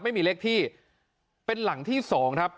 ไม่มีเลขที่เป็นหลังที่สองครับ